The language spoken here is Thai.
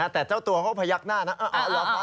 แต่เจ้าตัวเขาพยักหน้านะ